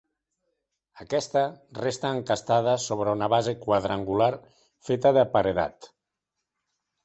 Aquesta, resta encastada sobre una base quadrangular feta de paredat.